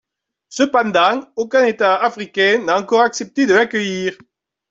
Cependant, aucun état Africain n'a encore accepté de l'accueillir.